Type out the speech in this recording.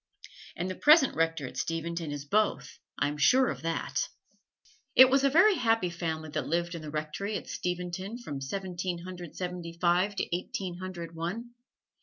And the present Rector at Steventon is both I'm sure of that. It was a very happy family that lived in the Rectory at Steventon from Seventeen Hundred Seventy five to Eighteen Hundred One.